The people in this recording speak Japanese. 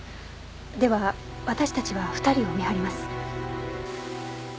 では私たちは２人を見張ります。